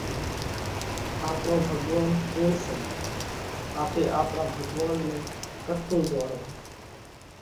آپڻو ڀڳوونَ ڪُوڻ سئہ؟ آپي آپڻا ڀڳوونَ نئہ ڪتو زوڻونه؟